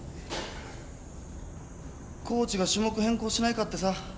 コーチが種目変更しないかってさ。